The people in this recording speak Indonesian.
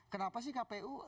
kenapa sih kpu